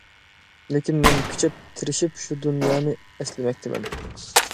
لېكىن مەن كۈچەپ، تىرىشىپ شۇ دۇنيانى ئەسلىمەكتىمەن.